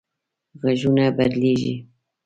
غږونه بدلېږي